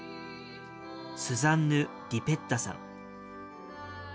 スザンヌ・ディペッタさん。